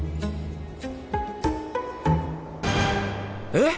えっ！？